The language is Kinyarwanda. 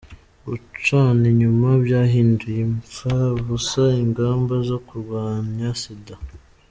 Gucana inyuma byahinduye imfabusa ingamba zo kurwanya Sida